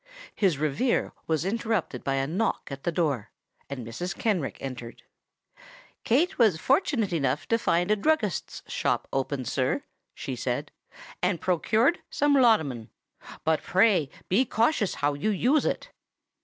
His reverie was interrupted by a knock at the door; and Mrs. Kenrick entered. "Kate was fortunate enough to find a druggist's shop open, sir," she said, "and procured some laudanum. But pray be cautious how you use it."